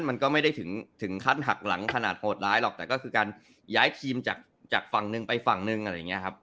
มันก็ไม่ได้ถึงขั้นหักหลังขนาดโหดร้ายหรอกแต่ก็คือการย้ายทีมจากฝั่งหนึ่งไปฝั่งนึงอะไรอย่างนี้ครับ